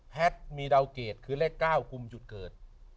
แพทย์มีดาวเกรดคือเลข๙กุมจุดเกิด